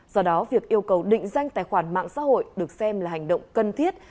do đó việc yêu cầu định danh tài khoản mạng xã hội được xem là hành động cần thiết